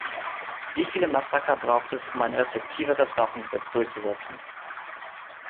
Wie viele Massaker braucht es, um ein restriktiveres Waffengesetz durchzusetzen?